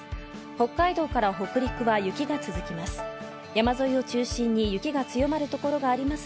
北海道から北陸は雪が続きます。